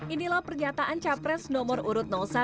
inilah pernyataan capres nomor urut satu